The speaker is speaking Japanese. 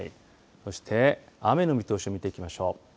そして、雨の見通しを見ていきましょう。